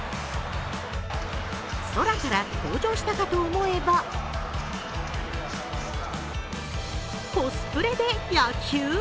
空から登場したかと思えばコスプレで野球！？